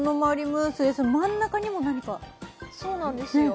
ムースで真ん中にも何かそうなんですよ